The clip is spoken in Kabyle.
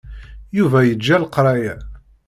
Yuba yeǧǧa leqraya.